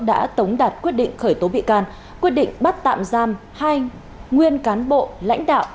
đã tống đạt quyết định khởi tố bị can quyết định bắt tạm giam hai nguyên cán bộ lãnh đạo